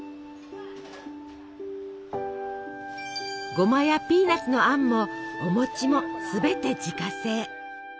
ごまやピーナツのあんもお餅もすべて自家製。